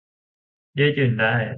ยืดหยุ่นได้